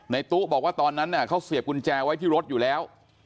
ตู้บอกว่าตอนนั้นเขาเสียบกุญแจไว้ที่รถอยู่แล้ว